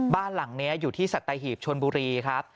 บ้านหลังนี้อยู่ที่สัตหีบชนบุรีครับ